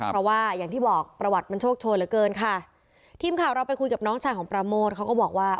เพราะว่าอย่างที่บอกประวัติมันโชคโชนเหลือเกินค่ะทีมข่าวเราไปคุยกับน้องชายของปราโมทเขาก็บอกว่า